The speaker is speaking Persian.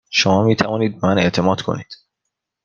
شما می توانید به من اعتماد کنید.